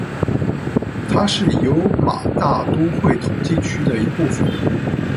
它是尤马大都会统计区的一部分。